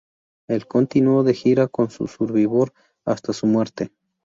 Él continuó de gira con Survivor hasta su muerte.